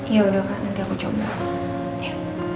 ya udah kak nanti aku coba